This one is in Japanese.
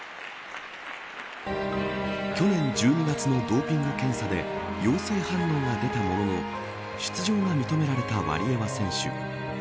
去年１２月のドーピング検査で陽性反応が出たものの出場が認められたワリエワ選手。